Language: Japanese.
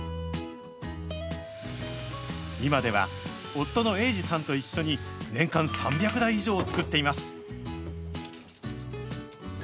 今では夫の英治さんと一緒に年間３００台以上を作っています。